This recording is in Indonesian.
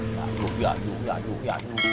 aduh ya aduh ya aduh ya aduh